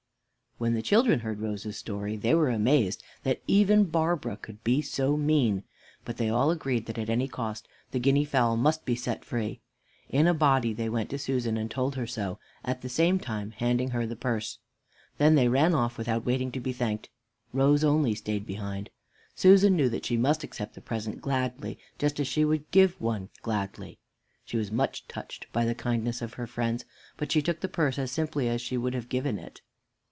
When the children heard Rose's story, they were amazed, that even Barbara could be so mean, but they all agreed that at any cost the guinea fowl must be set free. In a body they went to Susan and told her so, at the same time handing her the purse. Then they ran off without waiting to be thanked. Rose only stayed behind. Susan knew that she must accept the present gladly, just as she would give one gladly. She was much touched by the kindness of her friends, but she took the purse as simply as she would have given it.